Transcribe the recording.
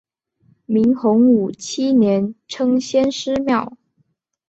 明洪武七年称先师庙。